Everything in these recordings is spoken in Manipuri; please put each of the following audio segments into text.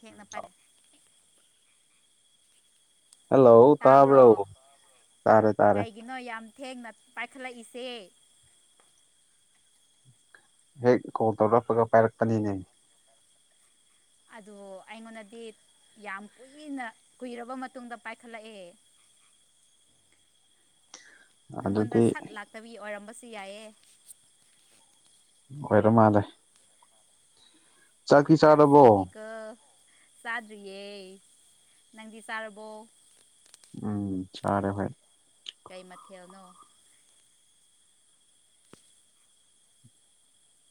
ꯊꯦꯡꯅ ꯐꯔꯦ ꯍꯜꯂꯣ ꯇꯥꯕ꯭ꯔꯣ ꯇꯥꯕꯔ‌ꯣ ꯇꯥꯔꯦ ꯇꯥꯔꯦ ꯀꯩꯒꯤꯅꯣ ꯌꯥꯝ ꯊꯦꯡꯅ ꯄꯥꯏꯈꯠꯂꯛꯏꯁꯦ ꯍꯦꯛ ꯀꯣꯜ ꯇꯧꯔꯛꯄꯒ ꯄꯥꯏꯔꯛꯄꯅꯤꯅꯦ ꯑꯗ‌ꯣ ꯑꯩꯉꯣꯟꯗꯗꯤ ꯌꯥꯝ ꯀꯨꯏꯅ ꯀꯨꯏꯔꯕ ꯃꯇꯨꯡꯗ ꯄꯥꯏꯈꯠꯂꯛꯑꯦ ꯅꯪꯉꯣꯟꯗ ꯑꯗꯨꯗꯤ ꯁꯠ ꯂꯥꯛꯇꯕꯒꯤ ꯑꯣꯏꯔꯝꯕꯁꯨ ꯌꯥꯏꯌ‌ꯦ ꯑꯣꯏꯔ ꯃꯥꯜꯂ‌ꯦ ꯌꯥꯝ ꯆꯥꯔꯕꯣ ꯁꯦꯡꯉ‌ꯦꯀ‌ꯣ ꯆꯥꯗ꯭ꯔꯤꯌꯦ ꯅꯪꯗꯤ ꯆꯥꯔꯕꯣ ꯎꯝ ꯆꯥꯔꯦ ꯍ‌ꯣꯏ ꯀꯩ ꯃꯊꯦꯜꯅꯣ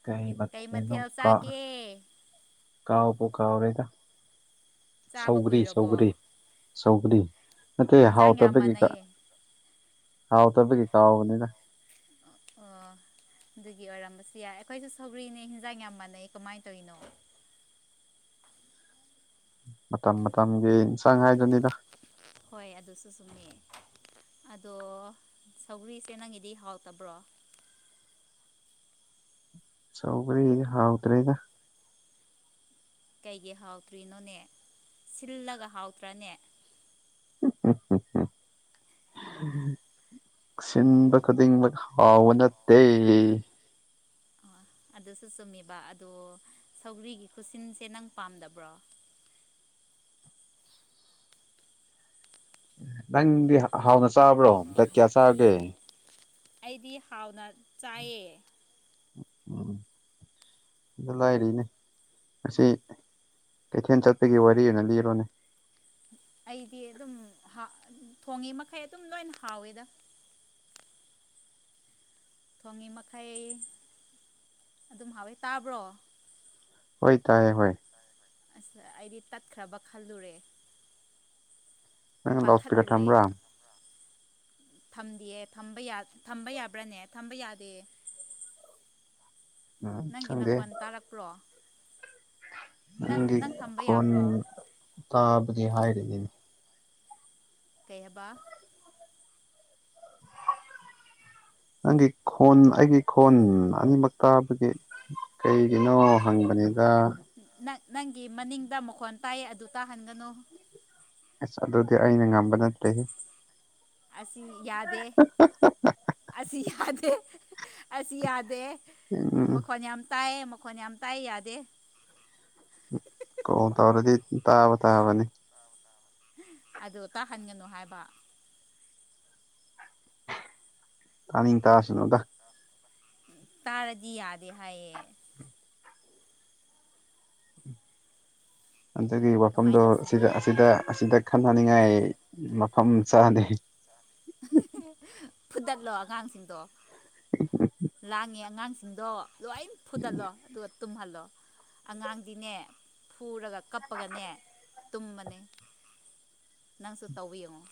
ꯀꯩꯕ ꯀꯩ ꯀꯩꯅꯣꯝ ꯃꯊꯦꯜ ꯀꯥꯎ ꯆꯥꯒꯦ ꯀꯥꯎꯕꯨ ꯀꯥꯎꯔꯦꯗ ꯆꯥꯕ ꯁꯧꯒ꯭ꯔꯤ ꯀꯨꯏꯔꯕꯣ ꯁꯧꯒ꯭ꯔꯤ ꯁꯧꯒ꯭ꯔꯤ ꯅꯠꯇ‌ꯦ ꯏꯟꯖꯥꯡ ꯌꯥꯝ ꯍꯥꯎꯇꯕꯒꯤꯇ ꯃꯥꯟꯅꯩꯌꯦ ꯍꯥꯎ ꯇꯕꯒꯤ ꯀꯥꯎꯕꯅꯤꯗ ꯑꯣ ꯑꯗꯨꯒꯤ ꯑꯣꯏꯔꯝꯕꯁꯨ ꯌꯥꯏ ꯑꯩꯈꯣꯏꯁꯨ ꯁꯧꯒꯔꯤꯅ‌ꯦ ꯍꯤꯟꯖꯥꯡ ꯌꯥꯝ ꯃꯥꯟꯅꯩ ꯀꯃꯥꯏꯅ ꯇꯧꯋꯤꯅꯣ ꯃꯇꯝ ꯃꯇꯝꯒꯤ ꯏꯟꯁꯥꯡ ꯍꯥꯏꯗꯨꯅꯤꯗ ꯍꯣꯏ ꯑꯗꯨꯁꯨ ꯆꯨꯝꯃꯦ ꯑꯗꯣ ꯁꯧꯒ꯭ꯔꯤꯁꯦ ꯅꯪꯒꯤꯗꯤ ꯍꯥꯎꯇꯕ꯭ꯔꯣ ꯆꯧꯒꯔꯤ ꯗꯤ ꯍꯥꯎꯇ꯭ꯔꯦꯗ ꯀꯩꯒꯤ ꯍꯥꯎꯇ꯭ꯔꯤꯅꯣꯅꯦ ꯁꯤꯜꯂꯒ ꯍꯥꯎꯇ꯭ꯔꯥꯅꯦ [unintelligible] ꯁꯤꯟꯕ ꯈꯨꯗꯤꯡꯃꯛ ꯍꯥꯎꯕ ꯅꯠꯇꯦ ꯑꯣ ꯑꯗꯨꯁꯨ ꯆꯨꯝꯃꯤꯕ ꯑꯗꯣ ꯁꯧꯒ꯭ꯔꯤꯒꯤ ꯈꯨꯁꯤꯟꯁꯦ ꯅꯪ ꯄꯥꯝꯗꯕ꯭ꯔꯣ ꯅꯪꯗꯤ ꯍꯥꯎꯅ ꯆꯥꯕ꯭ꯔꯣ ꯗꯠꯛ ꯀꯌꯥ ꯆꯥꯒꯦ ꯑꯩꯗꯤ ꯍꯥꯎꯅ ꯆꯥꯏꯌꯦ ꯎꯝ [inaudible] ꯑꯗꯨ ꯂꯥꯏꯔꯤꯅꯦ ꯉꯁꯤ ꯀꯩꯊꯦꯟ ꯆꯠꯄꯒꯤ ꯋꯥꯔꯤ ꯑꯣꯏꯅ ꯂꯤꯔꯣꯅꯦ ꯑꯩꯗꯤ ꯑꯗꯨꯝ ꯍꯥꯎ ꯊꯣꯡꯉꯤ ꯃꯈꯩ ꯑꯗꯨꯝ ꯅꯣꯏꯅ ꯍꯥꯎꯋꯦꯗ ꯊꯣꯡꯉꯤ ꯃꯈꯩ ꯑꯗꯨꯝ ꯍꯥꯎꯌꯋꯦ ꯇꯥꯕ꯭ꯔꯣ ꯍꯣꯏ ꯇꯥꯏꯌꯦ ꯍꯣꯏ ꯑꯁ ꯑꯩꯗꯤ ꯇꯠꯈ꯭ꯔꯕ ꯈꯜꯂꯨꯔꯦ ꯅꯪ ꯂꯥꯎꯠ ꯏꯁꯄꯤꯀꯔ ꯄꯈꯠꯂꯨꯔꯦ ꯊꯝꯕ꯭ꯔꯥ ꯊꯝꯗꯤꯌꯦ ꯊꯝꯕ ꯌꯥ ꯊꯝꯕ ꯌꯥꯕ꯭ꯔꯥꯅꯦ ꯊꯝꯕ ꯌꯥꯗꯦ ꯎꯝ ꯅꯪꯒꯤ ꯈꯪꯗꯦ ꯅꯈꯣꯟ ꯇꯥꯔꯛꯄ꯭ꯔꯣ ꯅꯪ ꯅꯪꯒꯤ ꯅꯪ ꯊꯝꯕ ꯈꯣꯟ ꯌꯥꯕ꯭ꯔꯣ ꯇꯥꯕꯗꯤ ꯍꯥꯏꯔꯤꯅꯤꯅꯦ ꯀꯩ ꯍꯥꯕ ꯅꯪꯒꯤ ꯈꯣꯟ ꯑꯩꯒꯤ ꯈꯣꯟ ꯑꯅꯤꯃꯛ ꯇꯥꯕꯒꯤ ꯀꯩꯒꯤꯅꯣ ꯑꯣ ꯍꯪꯕꯅꯤꯗ ꯅꯪ ꯅꯪꯒꯤ ꯃꯅꯤꯡꯗ ꯃꯈꯣꯟ ꯇꯥꯏꯌꯦ ꯑꯗꯨ ꯇꯥꯍꯟꯒꯅꯣ ꯑꯁ ꯑꯗꯨꯗꯤ ꯑꯩꯅ ꯉꯝꯕ ꯅꯠꯇ‌ꯦꯍꯦ ꯑꯁꯤ ꯌꯥꯗꯦ ꯑꯁꯤ ꯌꯥꯗꯦ ꯑꯁꯤ ꯌꯥꯗꯦ ꯎꯝ ꯃꯈꯣꯟ ꯌꯥꯝ ꯇꯥꯏ ꯃꯈꯣꯟ ꯌꯥꯝ ꯇꯥꯏ ꯌꯥꯗꯦ ꯀꯩꯜ ꯇꯧꯔꯗꯤ ꯇꯥꯕ ꯇꯥꯕꯅꯤ ꯑꯗꯣ ꯇꯥꯍꯟꯒꯅꯨ ꯍꯥꯏꯕ ꯇꯥꯅꯤꯡ ꯇꯥꯁꯅꯨꯗ ꯇꯥꯔꯗꯤ ꯌꯥꯗꯦ ꯍꯥꯏꯌꯦ ꯑꯗꯨꯒꯤ ꯀꯃꯥꯏꯅ ꯋꯥꯐꯝꯗꯣ ꯑꯁꯤꯗ ꯇꯧꯁꯤꯒꯦ ꯑꯁꯤꯗ ꯑꯁꯤꯗ ꯈꯟꯅꯅꯤꯡꯉꯥꯏ ꯃꯐꯝ ꯆꯥꯗꯦ ꯐꯨꯗꯠꯂꯣ ꯑꯉꯥꯡꯁꯤꯡꯗꯣ [unintelligible] ꯂꯥꯡꯉꯦ ꯑꯉꯥꯡꯁꯤꯡꯗꯣ ꯂꯣꯏ ꯐꯨꯗꯠꯂꯣ ꯑꯗꯨꯒ ꯇꯨꯝꯍꯜꯂꯣ ꯑꯉꯥꯡꯗꯤꯅꯦ ꯐꯨꯔꯒ ꯀꯞꯄꯒꯅꯦ ꯇꯨꯝꯃꯅꯦ ꯅꯪꯁꯨ ꯇꯧꯕ ꯌꯦꯡꯉꯣ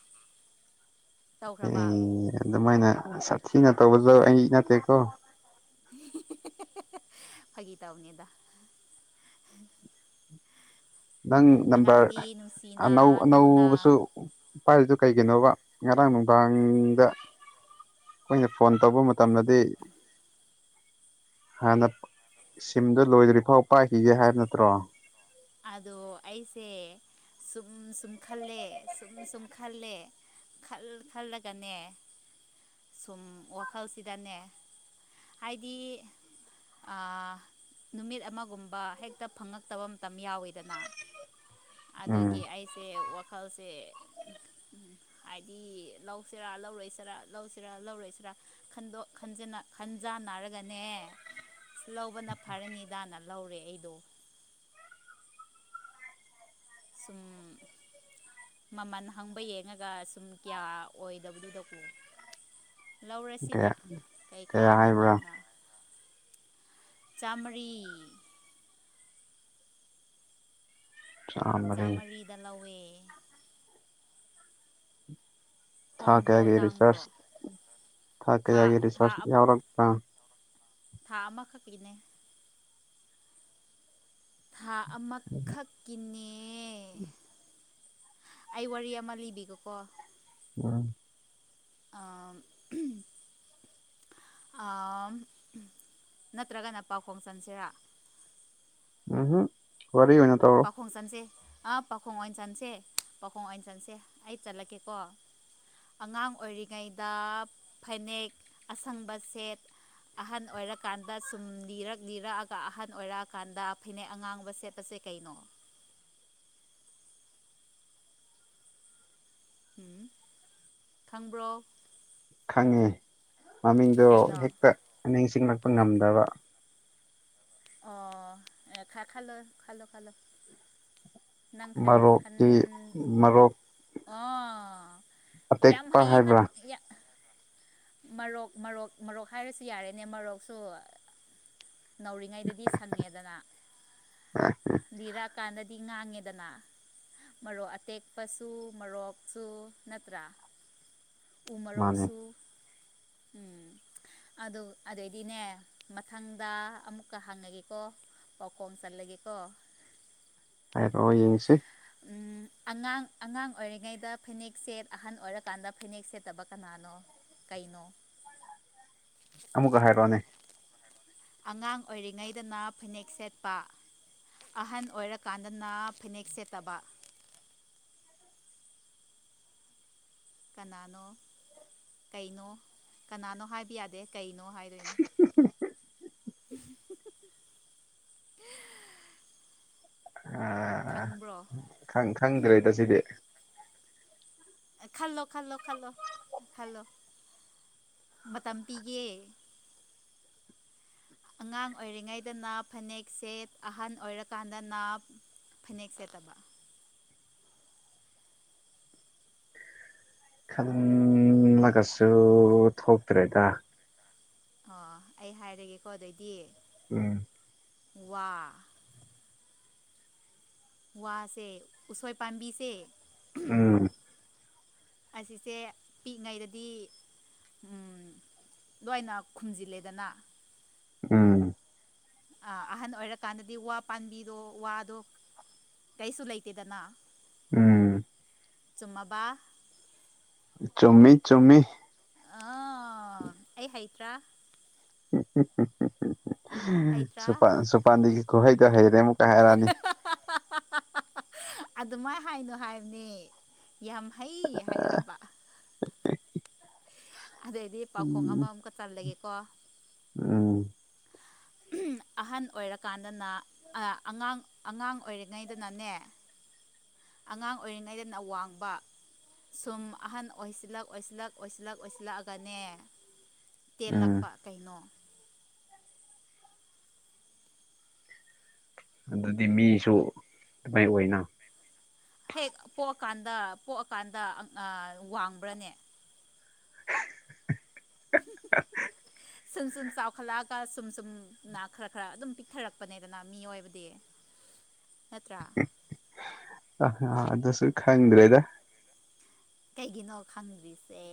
ꯇꯧꯈ꯭ꯔꯕ ꯑꯦꯏ ꯑꯗꯨꯃꯥꯏꯅ ꯁꯥꯊꯤꯅ ꯇꯧꯕꯖꯨ ꯑꯩ ꯅꯠꯇꯦꯀꯣ ꯐꯥꯒꯤ ꯇꯧꯅꯤꯗ ꯅꯪ ꯅꯝꯕꯔ ꯑꯉꯥꯡꯗꯤ ꯅꯨꯡꯁꯤꯅ ꯑꯅꯧ ꯂꯨꯅ ꯑꯅꯧꯕꯁꯨ ꯄꯥꯏꯔꯤꯗꯨ ꯀꯩꯒꯤꯅꯣꯕ ꯉꯔꯥꯡ ꯅꯨꯡꯗꯥꯡꯗ ꯑꯩꯈꯣꯏꯅ ꯐꯣꯟ ꯇꯧꯕ ꯃꯇꯝꯗꯗꯤ ꯍꯥꯟꯅ ꯁꯤꯝꯗꫭ ꯂꯣꯏꯗ꯭ꯔꯤ ꯐꯥꯎ ꯄꯥꯏꯈꯤꯒꯦ ꯍꯥꯏꯕ ꯅꯠꯇ꯭ꯔꯣ ꯑꯗꯣ ꯑꯩꯁꯦ ꯁꯨꯝ ꯁꯨꯝ ꯈꯜꯂꯦ ꯁꯨꯝ ꯁꯨꯝ ꯈꯜꯂꯦ ꯈꯜ ꯈꯜꯂꯒꯅꯦ ꯁꯨꯝ ꯋꯥꯈꯜꯁꯤꯗꯅꯦ ꯍꯥꯏꯗꯤ ꯅꯨꯃꯤꯠ ꯑꯃꯒꯨꯝꯕ ꯍꯦꯛꯇ ꯐꯪꯉꯛꯇꯕ ꯃꯇꯝ ꯌꯥꯎꯋꯤꯗꯅ ꯎꯝ ꯑꯗꯨꯒꯤ ꯑꯩꯁꯦ ꯋꯥꯈꯜꯁꯦ ꯍꯥꯏꯗꯤ ꯂꯧꯁꯤꯔꯥ ꯂꯧꯔꯛꯏꯁꯤꯔꯥ ꯂꯧꯁꯤꯔꯥ ꯂꯧꯔꯛꯏꯁꯤꯔꯥ ꯋꯈꯟꯗꫭ ꯈꯟꯖꯅ ꯈꯟꯖꯥꯟꯅꯔꯒꯅꯦ ꯑꯁ ꯂꯧꯕꯅ ꯐꯔꯅꯤꯗꯥꯅ ꯂꯧꯔꯦ ꯑꯩꯗꯣ ꯁꯨꯝ ꯃꯃꯜ ꯍꯪꯕ ꯌꯦꯡꯉꯒ ꯁꯨꯝ ꯀꯌꯥ ꯑꯣꯏꯗꯕꯗꯨꯗꯀꯣ ꯂꯧꯔꯁꯤꯗ ꯀꯌꯥ ꯀꯌꯥ ꯀꯩꯀꯥꯟꯗ ꯍꯥꯏꯕ꯭ꯔꯥ ꯅꯅ ꯆꯥꯝꯃꯔꯤ ꯆꯥꯝꯃꯔꯤ ꯆꯥꯃꯔꯤꯗ ꯂꯧꯋꯦ ꯊꯥ ꯍꯣꯡꯕ꯭ꯔꯣ ꯀꯒꯤ ꯇꯥꯡꯕ꯭ꯔꯣ ꯔꯤꯆꯥꯔꯆ ꯊꯥ ꯀꯒꯤ ꯔꯤꯆꯥꯔꯆ ꯌꯥꯎꯔꯛꯄꯥ ꯊꯥ ꯑꯃꯈꯛꯀꯤꯅꯦ ꯊꯥ ꯑꯃꯈꯛꯀꯤꯅꯦ ꯑꯩ ꯋꯥꯔꯤ ꯑꯃ ꯂꯤꯕꯤꯒꯦꯀꯣ ꯎꯝ ꯑꯥꯝ ꯑꯥꯝ ꯪꯅꯠꯇ꯭ꯔꯒꯅ ꯄꯥꯎꯈꯣꯡ ꯆꯟꯁꯤꯔꯥ ꯎꯝꯍꯨꯝ ꯋꯥꯔꯤ ꯑꯣꯏꯅꯥ ꯇꯧꯔꫭ ꯄꯥꯈꯣꯡ ꯆꯟꯁꯦ ꯑꯥ ꯄꯥꯈꯣꯡ ꯑꯣꯏꯅ ꯆꯟꯁꯦ ꯄꯥꯈꯣꯡ ꯑꯣꯏꯅ ꯆꯟꯁꯦ ꯑꯩ ꯆꯠꯂꯛꯀꯦꯀꯣ ꯑꯉꯥꯡ ꯑꯣꯏꯔꯤꯉꯩꯗ ꯐꯅꯦꯛ ꯑꯁꯪꯕ ꯁꯦꯠ ꯑꯍꯟ ꯑꯣꯏꯔꯀꯥꯟꯗ ꯁꯨꯝ ꯂꯤꯅꯤꯔꯛ ꯂꯤꯅꯤꯔꯛꯑꯒ ꯑꯍꯟ ꯑꯣꯏꯔꯛꯑꯀꯥꯟꯗ ꯐꯅꯦꯛ ꯑꯉꯥꯡꯕ ꯁꯦꯠꯄꯁꯦ ꯀꯩꯅꯣ ꯎꯝ ꯈꯪꯕ꯭ꯔꯣ ꯈꯪꯉꯦ ꯃꯃꯤꯡꯗꯣ ꯀꯩꯅꯣ ꯍꯦꯛꯇ ꯅꯤꯡꯁꯤꯡꯂꯛꯄ ꯉꯝꯗꯕ ꯑꯣ ꯑꯦ ꯈꯥ ꯈꯜꯂꫭ ꯈꯜꯂꫭ ꯈꯜꯂꫭ ꯈꯟ ꯃꯔꯣꯛꯀꯤ ꯃꯔꯣꯛ ꯑꯣ ꯌꯥꯝ ꯑꯇꯦꯛꯄ ꯍꯩꯌꯦ ꯅꯪ ꯍꯥꯏꯕ꯭ꯔꯥ ꯃꯔꯣꯔꯣꯛ ꯃꯔꯣꯔꯣꯛ ꯃꯔꯣꯔꯣꯛ ꯍꯥꯏꯔꯁꯨ ꯌꯥꯔꯦꯅꯦ ꯃꯔꯣꯔꯣꯛꯁꯨ ꯅꯧꯔꯤꯉꯩꯗꯗꯤ ꯁꯪꯉꯦꯗꯅ ꯂꯤꯔꯛꯀꯥꯟꯗ ꯗꯤ ꯉꯥꯡꯉꯦꯗꯅ ꯃꯔꯣꯛ ꯑꯇꯦꯛꯄꯁꯨ ꯃꫭꯔꯣꯛꯁꯨ ꯅꯠꯇ꯭ꯔꯥ ꯃꯥꯅꯦ ꯎꯃꯣꯔꯣꯛꯁꯨ ꯎꯝ ꯑꯗꯨ ꯑꯗꯨꯗꯩꯗꯤꯅꯦ ꯃꯊꯪꯗ ꯑꯃꯨꯛꯀ ꯍꯪꯉꯒꯦꯀꯣ ꯄꯥꯎꯈꯣꯡ ꯆꯜꯂꯒꯦꯀꯣ ꯍꯥꯏꯔꯛꯑꯣ ꯌꯦꯡꯁꯤ ꯑꯉꯥꯡ ꯑꯉꯥꯡ ꯑꯣꯏꯔꯤꯉꯩꯗ ꯐꯅꯦꯛ ꯁꯦꯠ ꯑꯍꯟ ꯑꯣꯏꯔꯀꯥꯟꯗ ꯐꯅꯦꯛ ꯁꯦꯠꯇꯕ ꯀꯅꯥꯅꯣ ꯀꯩꯅꯣ ꯑꯃꯨꯛꯀ ꯍꯥꯏꯔꯛꯑꯣꯅꯦ ꯑꯉꯥꯡ ꯑꯣꯏꯔꯤꯉꯩꯗꯅ ꯐꯅꯦꯛ ꯁꯦꯠꯄ ꯑꯍꯟ ꯑꯣꯏꯔꯀꯥꯟꯗꯅ ꯐꯤꯅꯦꯛ ꯁꯦꯠꯇꯕ ꯀꯅꯥꯅꯣ ꯀꯩꯅꯣ ꯀꯅꯥꯅꯣ ꯍꯥꯏꯕ ꯌꯥꯗꯦ ꯀꯩꯅꯣ ꯍꯥꯏꯗꯣꯏꯅꯤ [unintelligible] ꯑ ꯈꯪꯕ꯭ꯔꯣ ꯈꯪ ꯈꯪꯗ꯭ꯔꯦꯗ ꯁꯤꯗꯤ ꯈꯜꯂꯣ ꯈꯜꯂꯣ ꯈꯜꯂꯣ ꯈꯜꯂꯣ ꯃꯇꯝ ꯄꯤꯒꯦ ꯑꯉꯥꯡ ꯑꯣꯏꯔꯤꯉꯩꯗꯅ ꯐꯅꯦꯛꯁꯦ ꯑꯍꯜ ꯑꯣꯏꯔꯀꯥꯟꯗꯅ ꯐꯅꯦꯛ ꯁꯦꯠꯇꯕ ꯈꯡꯂꯒꯁꯨ ꯊꯣꯛꯇꯔꯦꯗꯥ ꯑꯣ ꯑꯩ ꯍꯥꯏꯔꯒꯦꯀꯣ ꯑꯗꯩꯗꯤ ꯎꯝ ꯋꯥ ꯋꯥꯁꯦ ꯎꯁꯣꯏ ꯄꯥꯝꯕꯤꯁꯦ ꯎꯝ ꯑꯁꯤꯁꯦ ꯄꯤꯛꯏꯉꯩꯗꯗꯤ ꯎꯝ ꯂꯣꯏꯅ ꯈꯨꯝꯖꯤꯜꯂꯦꯗꯅ ꯎꯝ ꯑꯍꯟ ꯑꯣꯏꯔꯀꯥꯟꯗꯗꯤ ꯋꯥ ꯄꯥꯟꯝꯕꯤꯗꯣ ꯋꯥꯗꯣ ꯀꯩꯁꯨ ꯂꯩꯇꯦꯗꯅꯥ ꯎꯝ ꯆꯨꯝꯃꯕꯥ ꯆꯨꯝꯃꯤ ꯆꯨꯝꯃꯤ ꯑꯥ ꯑꯩ ꯍꯩꯇ꯭ꯔꯥ [unintelligible] ꯍꯩꯇ꯭ꯔꯥ ꯁꯨꯄꯥꯥꯟꯗꯤꯒꯤ ꯈꯨꯍꯩꯗꯣ ꯍꯩꯔꯦ ꯑꯃꯨꯛ ꯀꯥ ꯍꯥꯏꯔꯛꯑꯅꯤ [unintelligible] ꯑꯗꯨꯃꯥꯏꯅ ꯍꯥꯏꯅꯣ ꯍꯥꯏꯕꯅꯤ ꯌꯥꯝ ꯍꯩ ꯍꯥꯏꯌꯣ ꯍꯥꯏꯕ ꯑꯗꯨꯗꯩꯗꯤ ꯄꯥꯎꯈꯣꯡ ꯎꯝ ꯑꯃꯃꯨꯛꯀ ꯆꯜꯂꯒꯦꯀꯣ [unintelligible] ꯑꯍꯟ ꯑꯣꯏꯔꯀꯥꯟꯗꯅ ꯑꯉꯥꯡ ꯑꯉꯥꯡ ꯑꯣꯏꯔꯤꯉꯩꯗꯅꯅꯦ ꯑꯉꯥꯡ ꯑꯣꯏꯔꯤꯉꯩꯗꯅ ꯋꯥꯡꯕ ꯁꯨꯝ ꯑꯍꯟ ꯑꯣꯏꯁꯤꯜꯂꯛ ꯑꯣꯏꯁꯤꯜꯂꯛ ꯑꯣꯏꯁꯤꯜꯂꯛ ꯑꯣꯏꯁꯤꯜꯂꯛꯑꯒꯅꯦ ꯎꯝ ꯇꯦꯜꯂꯛꯄ ꯀꯩꯅꯣ ꯑꯗꯨꯗꯤ ꯃꯤꯁꯨ ꯗꯨꯃꯥꯏ ꯑꯣꯏꯅ ꯍꯦꯛ ꯄꯣꯛꯑꯀꯥꯟꯗ ꯄꯣꯛꯑꯀꯥꯟꯗ ꯋꯥꯡꯕ꯭ꯔꯅꯦ [unintelligible] ꯁꯨꯝ ꯁꯨꯝ ꯆꯥꯎꯈꯠꯂꯛꯑꯒ ꯁꯨꯝ ꯁꯨꯝꯅ ꯈꯔ ꯈꯔ ꯑꯗꯨꯝ ꯄꯤꯛꯊꯔꯛꯄꯅꯦꯗꯅ ꯃꯤꯑꯣꯏꯕꯗꯤ [inaudible] [unintelligible] ꯑ ꯑꯗꯨꯁꯨ ꯈꯪꯗ꯭ꯔꯦꯗ ꯀꯩꯒꯤꯅꯣ ꯈꯪꯗ꯭ꯔꯤꯁꯦ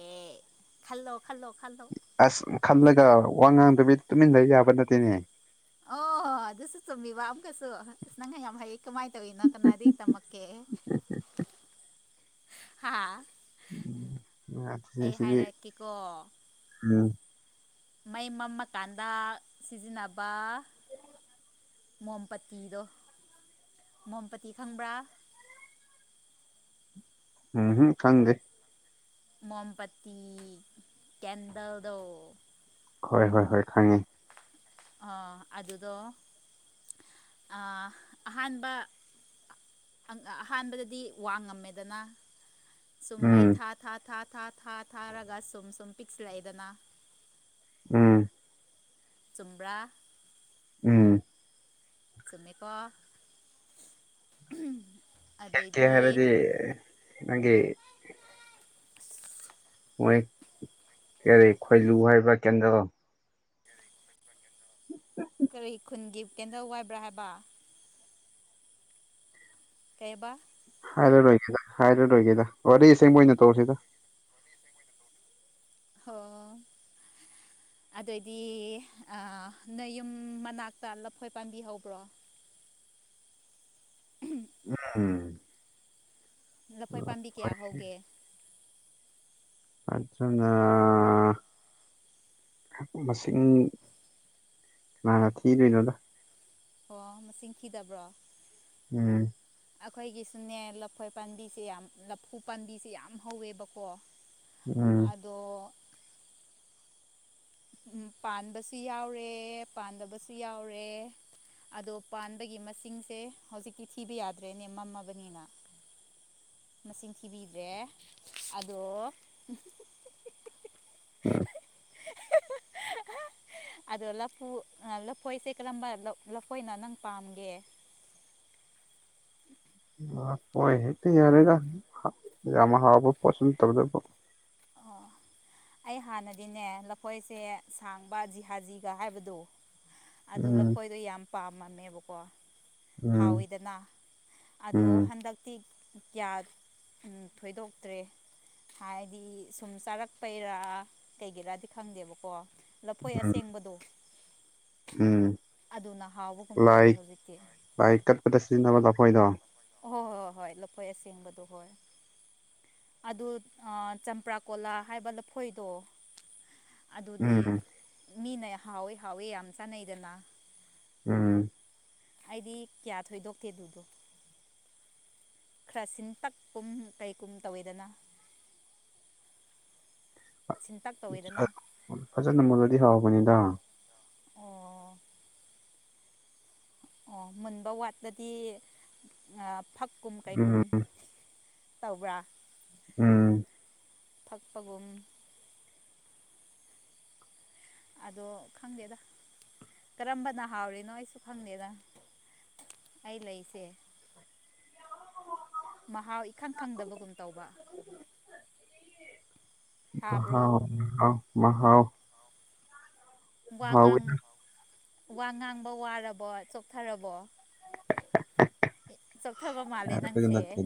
ꯈꯜꯂꯣ ꯈꯜꯂꯣ ꯈꯜꯂꯣ ꯑꯁ ꯈꯜꯂꯒ ꯋꯥ ꯉꯥꯡꯗꯕꯤ ꯇꯨꯃꯤꯟꯂ ꯌꯥꯕ ꯅꯠꯇꯦꯅꯦ ꯑꯣ ꯑꯗꯨꯁꯨ ꯆꯨꯝꯃꯤꯕ ꯑꯃꯨꯛꯀꯁꯨ ꯅꯪ ꯌꯥꯝ ꯍꯩꯌꯦ ꯀꯃꯥꯏꯅ ꯇꯧꯋꯤꯅꯣ ꯀꯅꯥꯗꯒꯤ ꯇꯝꯃꯛꯀꯦ ꯍꯥꯥ ꯅꯠꯇꯦ ꯁꯤꯗꯤ ꯍꯥꯏꯔꯛꯀꯦꯀꯣ ꯎꯝ ꯃꯩ ꯃꯝꯃꯀꯥꯟꯗ ꯁꯤꯖꯤꯟꯅꯕ ꯃꯣꯝ ꯄꯇꯤꯗꯣ ꯃꯣꯝ ꯄꯇꯤ ꯈꯪꯕ꯭ꯔꯥ ꯎꯝꯍꯝ ꯈꯪꯗꯦ ꯃꯣꯝ ꯄꯠꯇꯤ ꯀꯦꯟꯗꯜꯗꯣ ꯍꯣꯏ ꯍꯣꯏ ꯍꯣꯏ ꯈꯪꯉꯦ ꯑ ꯑꯗꯨꯗꯣ ꯑ ꯑꯍꯥꯟꯕ ꯑꯪ ꯑꯍꯥꯟꯕꯗꯗꯤ ꯋꯥ ꯉꯝꯃꯦꯗꯅ ꯁꯨꯝ ꯃꯩ ꯎꯝ ꯊꯥ ꯊꯥ ꯊꯥ ꯊꯥ ꯊꯥ ꯊꯥ ꯊꯥꯔꯒ ꯁꯨꯝ ꯁꯨꯝ ꯄꯤꯛꯁꯤꯜꯂꯛꯑꯦꯗꯅ ꯎꯝ ꯆꯨꯝꯕ꯭ꯔꯥ ꯎꯝ ꯆꯨꯝꯃꯤꯀꯣ ꯈꯦꯠꯀꯦ ꯍꯥꯏꯔꯗꯤ ꯅꯪꯒꯤ ꯃꯣꯏ ꯀꯔꯤ ꯈꯣꯏꯂꯨ ꯍꯥꯏꯕ꯭ꯔ ꯀꯦꯟꯗꯜ [unintelligible] ꯀꯔꯤ ꯈꯨꯟꯒꯤ ꯀꯦꯟꯗꯜ ꯋꯥꯏꯕ꯭ꯔꯥ ꯍꯥꯏꯕ ꯀꯦꯕꯥ ꯍꯥꯏꯔꯔꯣꯏꯒꯦꯗ ꯍꯥꯏꯔꯔꯣꯏꯒꯦꯗ ꯋꯥꯔꯤꯁꯦꯝꯃꯣꯏꯅ ꯇꯧꯁꯤꯗ ꯍꯣ ꯑꯗꯣꯏꯗꯤ ꯑ ꯅꯣꯏ ꯌꯨꯝ ꯃꯅꯥꯛꯇ ꯂꯐꯣꯏ ꯄꯥꯝꯕꯤ ꯍꯧꯕ꯭ꯔꯣ [unintelligible] ꯎꯝ ꯂꯐꯣꯏ ꯄꯥꯝꯕꯤ ꯀꯌꯥ ꯍꯧꯒꯦ [unintelligible] ꯃꯁꯤꯡ ꯀꯅꯥꯅ ꯊꯤꯗꯣꯏꯅꯣꯗ ꯑꯣ ꯃꯁꯤꯡ ꯊꯤꯗꯕ꯭ꯔꯣ ꯎꯝ ꯑꯈꯣꯏꯒꯤꯁꯨꯅꯦ ꯂꯐꯣꯏ ꯄꯥꯟꯕꯤꯁꯦ ꯌꯥꯝ ꯂꯐꯨ ꯄꯥꯟꯕꯤꯁꯦ ꯌꯥꯝ ꯍꯧꯋꯦꯕꯀꯣ [inaudible] ꯎꯝ ꯇꯣ ꯎꯝ ꯄꯥꯟꯕꯁꯨ ꯌꯥꯎꯔꯦ ꯄꯥꯟꯗꯕꯁꯨ ꯌꯥꯎꯔꯦ ꯑꯗꯣ ꯄꯥꯟꯕꯒꯤ ꯃꯁꯤꯡꯁꯦ ꯍꯧꯖꯤꯛꯇꯤ ꯊꯤꯕ ꯌꯥꯗ꯭ꯔꯦꯅꯦ ꯃꯝꯃꯕꯅꯤꯅ ꯃꯁꯤꯡ ꯊꯤꯕꯤꯗ꯭ꯔꯦ ꯑꯗꯣ ꯎꯝ [unintelligible] ꯑꯗꯣ ꯂꯐꯨ ꯑ ꯂꯐꯣꯏꯁꯦ ꯀꯔꯝꯕ ꯂꯧ ꯂꯐꯣꯏꯅ ꯅꯪ ꯄꯥꯝꯒꯦ ꯑ ꯍꯣꯏ ꯍꯦꯛꯇ ꯌꯥꯔꯦꯗ ꯍ ꯌꯥꯝ ꯍꯥꯎꯕ ꯄꯣꯠꯁꯨ ꯅꯠꯇꯕꯗꯨꯕꯨ ꯑꯣ ꯑꯩ ꯍꯥꯟꯅꯗꯤꯅꯦ ꯂꯐꯣꯏꯁꯦ ꯁꯥꯡꯕ ꯖꯤꯍꯥꯖꯤꯒ ꯍꯥꯏꯕꯗꯨ ꯑꯗꯨ ꯎꯝ ꯂꯐꯣꯏꯗꯣ ꯌꯥꯝ ꯄꯥꯝꯃꯝꯃꯦꯕꯀꯣ ꯎꯝ ꯍꯥꯎꯋꯤꯗꯅ ꯑꯗꯣ ꯎꯝ ꯍꯟꯗꯛꯇꯤ ꯀꯌꯥ ꯑꯝ ꯊꯣꯏꯗꯣꯛꯇ꯭ꯔꯦ ꯍꯥꯏꯗꯤ ꯁꯨꯝ ꯆꯥꯔꯛꯄꯩꯔꯥ ꯀꯩꯒꯤꯔꯗꯤ ꯈꯪꯗꯦꯕꯀꯣ ꯂꯐꯣꯏ ꯎꯝ ꯑꯁꯦꯡꯕꯗꯣ ꯎꯝ ꯑꯗꯨꯅ ꯍꯥꯎꯕꯒꯨꯝ ꯂꯥꯏ ꯇꯧꯔꯦ ꯍꯧꯖꯤꯛꯇꯤ ꯂꯥꯏ ꯀꯠꯄꯗ ꯁꯤꯖꯤꯟꯅꯕ ꯂꯐꯣꯏꯗꯣ ꯍꯣ ꯍꯣ ꯍꯣꯏ ꯂꯐꯣꯏ ꯑꯁꯦꯡꯕꯗꯣ ꯍꯣꯏ ꯑꯗꯨ ꯑ ꯆꯝꯄ꯭ꯔꯥꯀꯣꯂꯥ ꯍꯥꯏꯕ ꯂꯐꯣꯏꯗꯣ ꯑꯗꯨꯗꯤ ꯎꯝ ꯃꯤꯅ ꯍꯥꯎꯋꯤ ꯍꯥꯎꯋꯤ ꯌꯥꯝ ꯆꯥꯅꯩꯗꯅ ꯎꯝ ꯑꯩꯗꯤ ꯀꯌꯥ ꯊꯣꯏꯗꯣꯛꯇꯦ ꯑꯗꯨꯗꯣ ꯈꯔ ꯁꯤꯟꯇꯛ ꯄꯨꯝ ꯀꯩꯒꯨꯝ ꯇꯧꯋꯦꯗꯅ ꯁꯤꯟꯇꯛ ꯇꯧꯋꯤꯗꯅ ꯎꯝ ꯐꯖꯅ ꯃꯨꯜꯂꯗꯤ ꯍꯥꯎꯕꯅꯤꯗ ꯑꯣ ꯑꯣ ꯃꯨꯟꯕ ꯋꯥꯠꯂꯗꯤ ꯑꯥ ꯐꯛ ꯀꯨꯝ ꯎꯝ ꯀꯩꯀꯨꯝ ꯇꯧꯕ꯭ꯔꯥ ꯎꯝ ꯐꯛꯄꯒꯨꯝ ꯑꯗꯣ ꯈꯪꯗꯦꯗ ꯀꯔꯝꯕꯅ ꯍꯥꯎꯔꯤꯅꯣ ꯑꯩꯁꯨ ꯈꯪꯗꯦꯗ ꯑꯩ ꯂꯩꯁꯦ ꯃꯍꯥꯎ ꯏꯈꯪ ꯈꯪꯗꯕꯒꯨꯝ ꯇꯧꯕ ꯇꯥꯕ꯭ꯔꯣ ꯃꯍꯥꯎ ꯃꯍꯥꯎ ꯃꯍꯥꯎ ꯋꯥ ꯃꯍꯥꯎ ꯉꯥꯡ ꯋꯥ ꯉꯥꯡꯕ ꯋꯥꯔꯕꯣ ꯆꯣꯛꯊꯔꯕꯣ ꯆꯣꯛꯊꯕ ꯃꯥꯜ ꯂꯦ ꯑꯗꯨ ꯌꯥꯔꯒ ꯅꯪꯁꯦ ꯅꯠꯇꯦ